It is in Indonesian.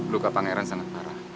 luka pangeran sangat parah